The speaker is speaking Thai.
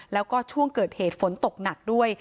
แล้วก็ช่วงเกิดเหตุฝนตกหนักด้วย